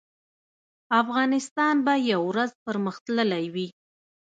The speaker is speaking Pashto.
افغانستان به یو ورځ پرمختللی وي